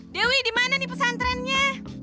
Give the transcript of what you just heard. dewi dimana nih pesantrennya